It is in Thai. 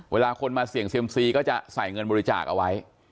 เวลาคนมาเสี่ยงเซียมซีก็จะใส่เงินบริจาคเอาไว้